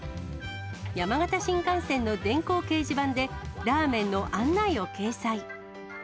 山形新幹線の電光掲示板で、ラーメンの案内を掲載。